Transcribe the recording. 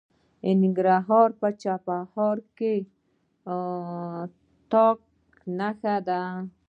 د ننګرهار په چپرهار کې د تالک نښې شته.